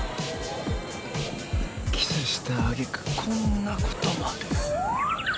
キスした揚げ句こんなことまで。